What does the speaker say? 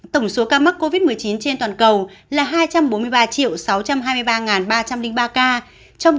tổng số ca mắc covid một mươi chín trên toàn cầu là hai trăm bốn mươi ba sáu trăm hai mươi ba ba trăm linh ba ca